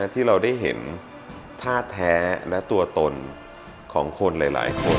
ที่เราได้เห็นท่าแท้และตัวตนของคนหลายคน